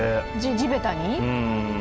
地べたに？